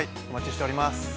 お待ちしております！